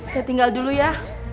saya tinggal dulu ya